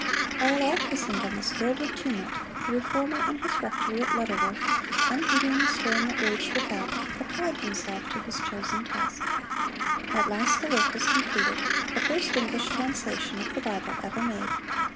While all Christendom was filled with tumult, the Reformer in his rectory at Lutterworth, unheeding the storm that raged without, applied himself to his chosen task. At last the work was completed,—the first English translation of the Bible ever made.